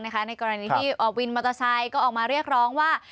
ในกรณีที่วินมอเตอร์ไซค์ก็ออกมาเรียกร้องว่า